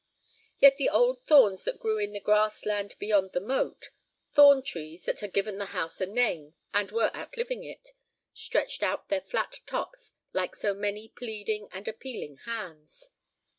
Yet the old thorns that grew in the grass land beyond the moat, thorn trees that had given the house a name and were outliving it, stretched out their flat tops like so many pleading and appealing hands.